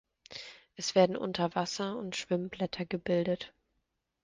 Es werden Unterwasser- und Schwimmblätter gebildet.